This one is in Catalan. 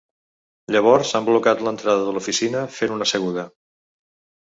Llavors han blocat l’entrada de l’oficina fent una seguda.